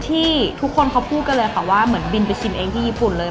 ที่ทุกคนเขาพูดกันเลยค่ะว่าเหมือนบินไปชิมเองที่ญี่ปุ่นเลย